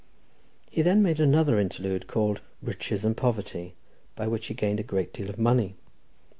He then made another interlude, called "Riches and Poverty," by which he gained a great deal of money.